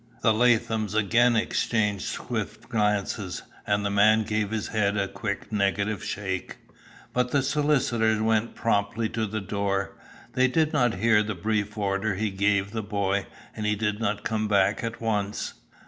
The Lathams again exchanged swift glances, and the man gave his head a quick negative shape. But the solicitor went promptly to the door. They did not hear the brief order he gave the boy, and he did not come back at once.